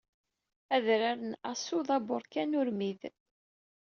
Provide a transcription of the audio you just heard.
Adrar n Aso d aburkan urmid.